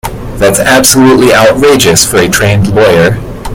That's absolutely outrageous for a trained lawyer.